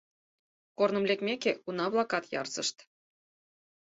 Корным лекмеке, уна-влакат ярсышт.